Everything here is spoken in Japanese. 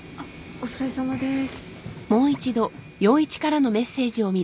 お疲れさまです。